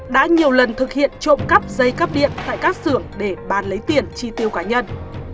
đã nhiều lần thực hiện trộm cắp dây cắp điện tại các xưởng để bán lấy tiền chi tiêu cá nhân